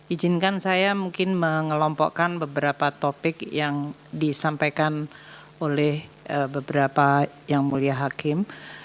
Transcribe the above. ijinkan saya mungkin mengelompokkan beberapa topik yang disampaikan oleh beberapa yang mulia hakim